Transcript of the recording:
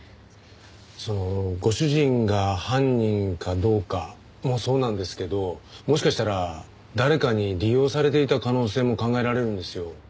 ご主人が犯人かどうかもそうなんですけどもしかしたら誰かに利用されていた可能性も考えられるんですよ。